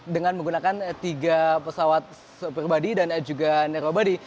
dengan menggunakan tiga pesawat super body dan juga narrow body